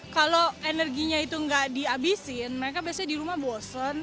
kalau energinya itu nggak dihabisin mereka biasanya di rumah bosen